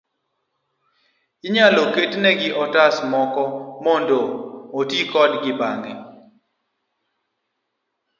inyalo ketgi e otas moro mondo oti kodgi bang'e.